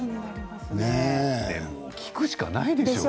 聞くしかないでしょう？